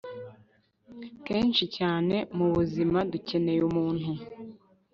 Kenshi cyane mubuzima dukeneye umuntu